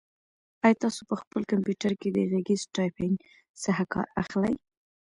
آیا تاسو په خپل کمپیوټر کې د غږیز ټایپنګ څخه کار اخلئ؟